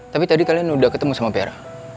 tapi tadi kalian udah ketemu sama pera